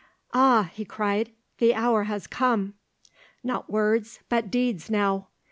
"Ah," he cried, "the hour has come, not words but deeds now!